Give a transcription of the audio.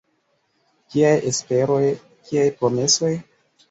Kiaj esperoj, kiaj promesoj?